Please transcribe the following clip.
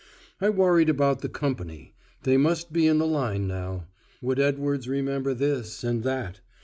I worried about the company: they must be in the line now. Would Edwards remember this, and that?